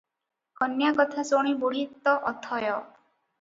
କନ୍ୟା କଥା ଶୁଣି ବୁଢ଼ୀ ତ ଅଥୟ ।